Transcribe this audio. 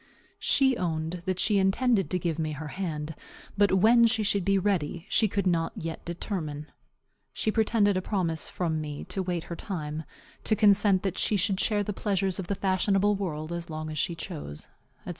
She owned that she intended to give me her hand, but when she should be ready she could not yet determine. She pretended a promise from me to wait her time, to consent that she should share the pleasures of the fashionable world as long as she chose, &c.